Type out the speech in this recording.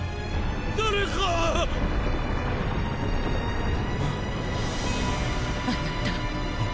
⁉誰か⁉あなた。